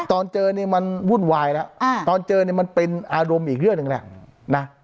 ตอนเจอนี่มันวุ่นวายแล้วตอนเจอเนี่ยมันเป็นอารมณ์อีกเรื่องหนึ่งแหละนะ